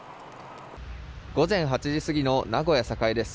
午前８時過ぎの名古屋・栄です。